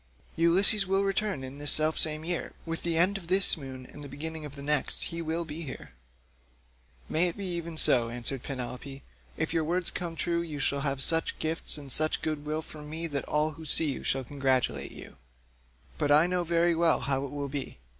Ulysses will return in this self same year; with the end of this moon and the beginning of the next he will be here." "May it be even so," answered Penelope; "if your words come true you shall have such gifts and such good will from me that all who see you shall congratulate you; but I know very well how it will be.